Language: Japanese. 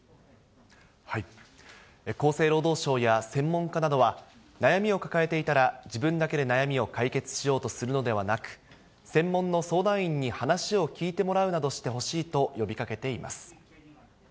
厚生労働省や専門家などは、悩みを抱えていたら、自分だけで悩みを解決しようとするのではなく、専門の相談員に話を聞いてもらうなどしてほしいと呼びかけています。